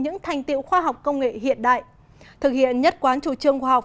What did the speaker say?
những thành tiệu khoa học công nghệ hiện đại thực hiện nhất quán chủ trương khoa học